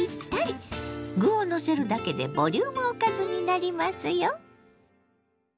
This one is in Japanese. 具をのせるだけでボリュームおかずになりますよ。